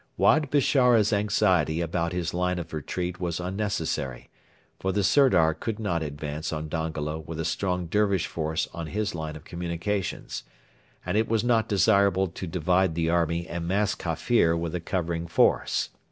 Wad Bishara's anxiety about his line of retreat was unnecessary, for the Sirdar could not advance on Dongola with a strong Dervish force on his line of communications: and it was not desirable to divide the army and mask Hafir with a covering force.